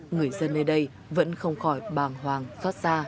người dân nơi đây vẫn không khỏi bàng hoàng